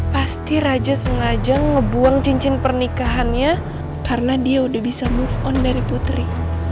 pasti raja sengaja ngebuang cincin pernikahannya karena dia udah bisa move on dari putri